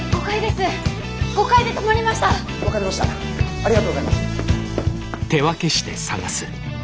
ありがとうございます！